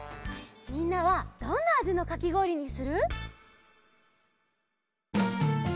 みんなはどんなあじのかきごおりにする？